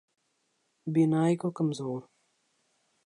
بینائی کو کمزور